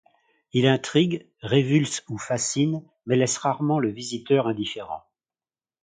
Il intrigue, révulse ou fascine, mais laisse rarement le visiteur indifférent.